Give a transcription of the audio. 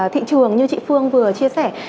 thị trường như chị phương vừa chia sẻ